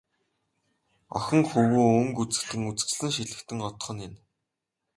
Охин хөвүүн өнгө үзэгдэн, үзэсгэлэн шилэгдэн одох нь энэ.